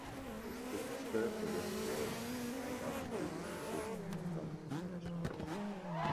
The spur for this was undoubtedly the success of the Front National.